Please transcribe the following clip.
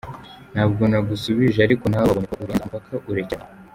Ntabwo nagushubije ariko nawe wabonye ko urenze umupaka urekeraho.